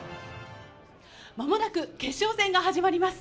まもなく決勝戦が始まります。